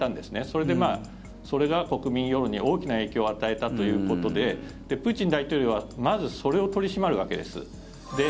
それで、それが国民世論に大きな影響を与えたということでプーチン大統領は、まずそれを取り締まるわけです。